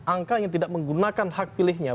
angka yang tidak menggunakan hak pilihnya